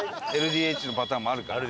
ＬＤＨのパターンもあるから。